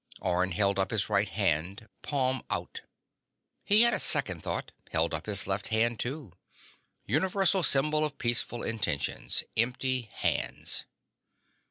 _ Orne held up his right hand, palm out. He had a second thought: held up his left hand, too. Universal symbol of peaceful intentions: empty hands.